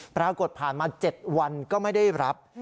ปรากฏผ่านมา๗วันก็ไม่ได้รับ